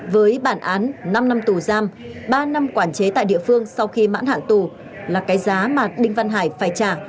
với bản án năm năm tù giam ba năm quản chế tại địa phương sau khi mãn hạn tù là cái giá mà đinh văn hải phải trả